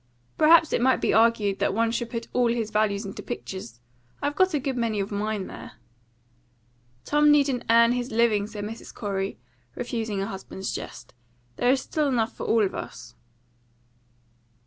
Perhaps it might be argued that one should put all his values into pictures; I've got a good many of mine there." "Tom needn't earn his living," said Mrs. Corey, refusing her husband's jest. "There's still enough for all of us."